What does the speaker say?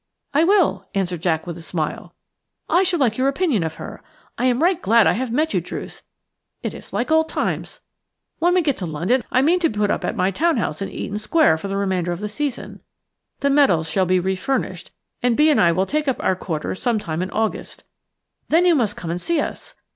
"I will," answered Jack with a smile. "I should like your opinion of her. I am right glad I have met you, Druce, it is like old times. When we get to London I mean to put up at my town house in Eaton Square for the remainder of the season. The Meadows shall be re furnished, and Bee and I will take up our quarters some time in August; then you must come and see us.